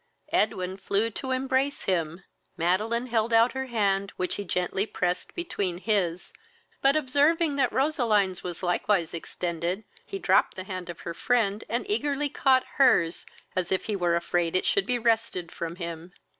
Edwin flew to embrace him. Madeline held out her hand, which he gently pressed between his; but, observing that Roseline's was likewise extended, he dropped the hand of her friend, and eagerly caught her's, as if he were afraid it should be wrested from him.